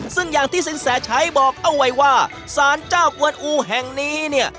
ซึ่งอย่างที่สินแสชัยบอกเอาไว้ว่าสารเจ้ากวนอูแห่งนี้เนี่ย